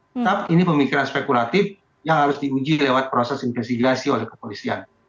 tetap ini pemikiran spekulatif yang harus diuji lewat proses investigasi oleh kepolisian